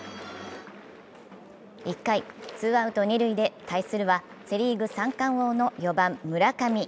１回、ツーアウト二塁で対するはセ・リーグ三冠王の４番・村上。